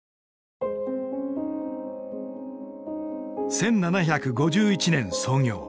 １７５１年創業。